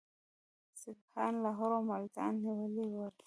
سیکهان لاهور او ملتان نیولي ول.